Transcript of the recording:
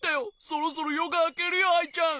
そろそろよがあけるよアイちゃん。